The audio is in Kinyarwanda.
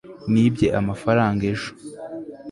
nibye amafaranga ejo